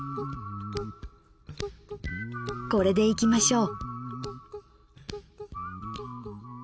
これでいきましょう。